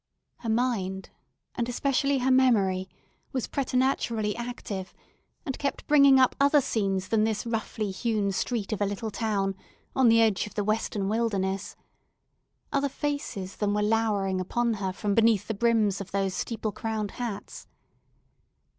Her mind, and especially her memory, was preternaturally active, and kept bringing up other scenes than this roughly hewn street of a little town, on the edge of the western wilderness: other faces than were lowering upon her from beneath the brims of those steeple crowned hats.